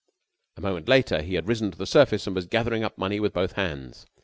A moment later he had risen to the surface and was gathering up money with both hands.